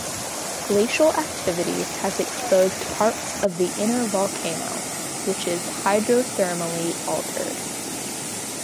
Glacial activity has exposed parts of the inner volcano, which is hydrothermally altered.